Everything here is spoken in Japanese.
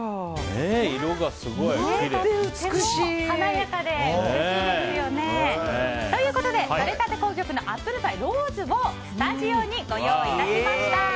華やかで美しいですよね。ということで、とれたて紅玉のアップルパイローズをスタジオにご用意致しました。